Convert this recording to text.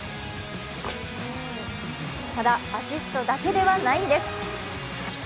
ただアシストだけではないんです。